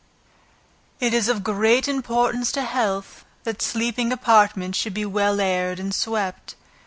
It is of great importance to health, that sleeping apartments should be well aired and swept.